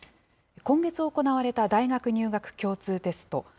今月行われた大学入学共通テスト。